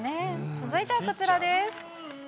続いてはこちらです。